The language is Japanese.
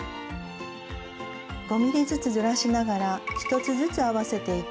５ｍｍずつずらしながら１つずつ合わせていき